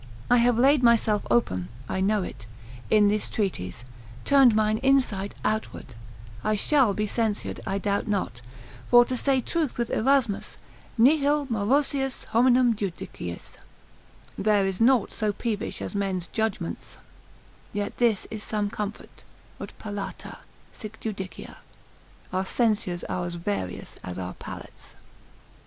I have laid myself open (I know it) in this treatise, turned mine inside outward: I shall be censured, I doubt not; for, to say truth with Erasmus, nihil morosius hominum judiciis, there is nought so peevish as men's judgments; yet this is some comfort, ut palata, sic judicia, our censures are as various as our palates.